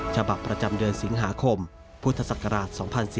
ฉบับประจำเดือนสิงหาคมพุทธศักราช๒๔๙